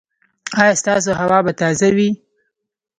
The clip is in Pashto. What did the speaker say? ایا ستاسو هوا به تازه وي؟